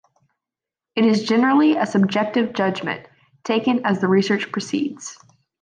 It is generally a subjective judgment, taken as the research proceeds.